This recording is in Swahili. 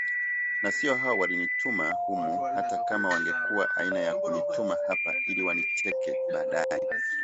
Na sio hao walinituma humu hata kama wangekuwa aina ya kunituma hapa ili wanicheke baadaye